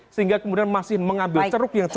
sehingga kemudian masih mengambil ceruknya